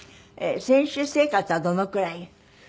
選手生活はどのくらい？